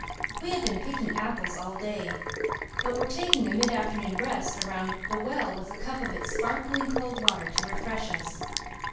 We had been picking apples all day, but were taking a mid afternoon rest around the well, with a cup of its sparkling cold water to refresh us.